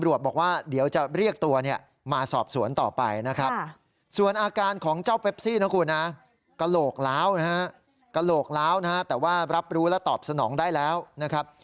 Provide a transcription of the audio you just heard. รับรู้แล้วตอบสนองได้แล้วนะครับ